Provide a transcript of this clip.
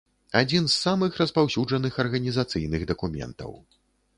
Адзін з самых распаўсюджаных арганізацыйных дакументаў.